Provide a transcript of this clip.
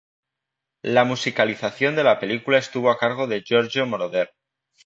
La musicalización de la película estuvo a cargo de Giorgio Moroder.